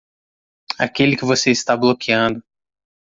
Aquele que você está bloqueando.